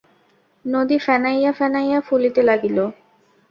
নদী ফেনাইয়া ফেনাইয়া ফুলিতে লাগিল।